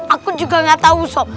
aku juga nggak tahu sob